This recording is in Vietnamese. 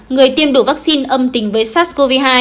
người tiêm đủ vaccine âm tính với sars cov hai